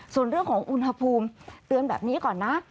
ส่วนเรื่องของอุณหภูมิเตือนแบบนี้ก่อนนะ